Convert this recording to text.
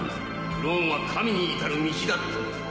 クローンは神に至る道だったのだ。